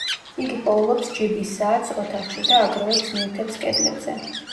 იგი პოულობს ჯიბის საათს ოთახში და აგროვებს ნივთებს კედლებზე.